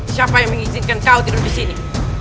siapa yang mengizinkan kau tidur disini